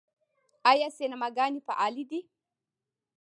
آیا سینماګانې فعالې دي؟